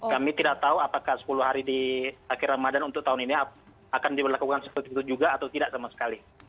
kami tidak tahu apakah sepuluh hari di akhir ramadan untuk tahun ini akan diberlakukan seperti itu juga atau tidak sama sekali